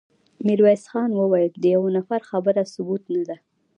ميرويس خان وويل: د يوه نفر خبره ثبوت نه ده.